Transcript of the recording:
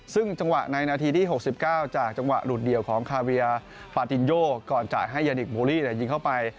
ซึ่งจังหวะในนาทีที่๖๙จากจังหวะหลุดเดี่ยวของคาเวียปาตินโยก่อนจะให้ยาดิกบูลลี่ยิงเข้าไป